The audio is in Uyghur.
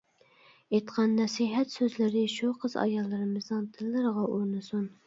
ئېيتقان نەسىھەت سۆزلىرى شۇ قىز-ئاياللىرىمىزنىڭ دىللىرىغا ئورنىسۇن!